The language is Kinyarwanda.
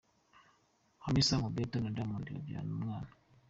Hamisa Mobetto na Diamond babyaranye umwana.